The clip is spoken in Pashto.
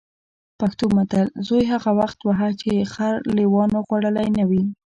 پښتو متل: زوی هغه وخت وهه چې خر لېوانو خوړلی نه وي.